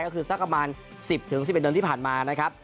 ก็คือสักประมาณ๑๐๑๑เดือนที่ผ่านมานะครับ